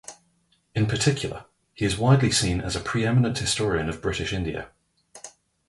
In particular, he is widely seen as a pre-eminent historian of British India.